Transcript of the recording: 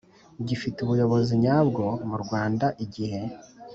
gifite ubuyobozi nyabwo mu Rwanda igihe